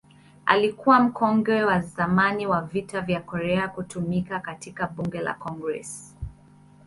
Alikuwa mkongwe wa zamani wa Vita vya Korea kutumikia katika Bunge la Congress.